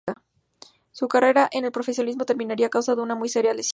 Su carrera en el profesionalismo terminaría a causa de una muy seria lesión.